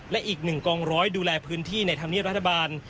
และอีกหนึ่งกองร้อยดูแลพื้นที่ในธรรมเนียบรัฐบาล